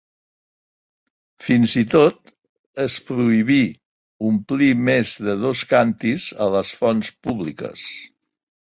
Fins i tot es prohibí omplir més de dos càntirs a les fonts públiques.